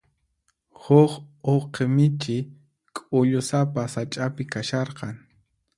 Huk uqi michi k'ullusapa sach'api kasharqan.